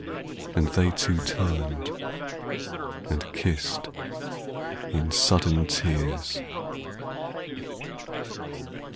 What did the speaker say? And they two turned, and kissed in sudden tears.